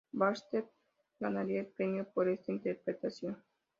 Baxter ganaría el premio por esta interpretación.